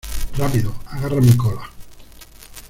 ¡ Rápido! ¡ agarra mi cola !